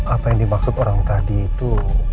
apa yang dimaksud orang tadi itu